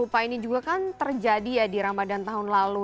rupa ini juga kan terjadi ya di ramadan tahun lalu